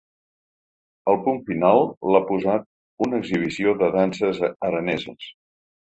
El punt final l’ha posat una exhibició de danses araneses.